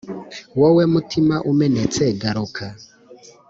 wowe mutima umenetse garuka